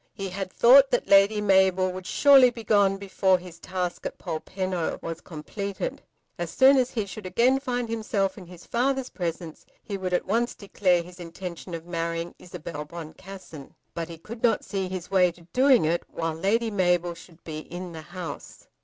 He had thought that Lady Mabel would surely be gone before his task at Polpenno was completed. As soon as he should again find himself in his father's presence he would at once declare his intention of marrying Isabel Boncassen. But he could not see his way to doing it while Lady Mabel should be in the house.